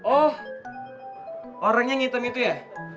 oh orang yang hitam itu ya